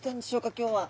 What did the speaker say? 今日は。